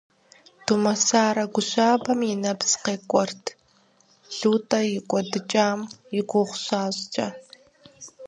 Думэсарэ гу щабэм и нэпс къекӀуэрт ЛутӀэ и кӀуэдыкӀам и гугъу щащӀкӀэ.